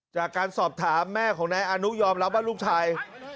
จากการสอบถามแม่ของนายอนุยอมรับว่าลูกชาย